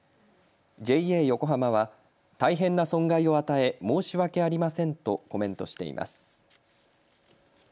ＪＡ横浜は大変な損害を与え申し訳ありませんとコメントしています。